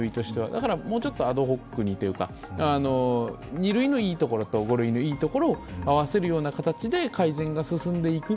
だからもうちょっとアドホックにというか、２類のいいところと５類のいいところを合わせるような形で改善が進んでいく。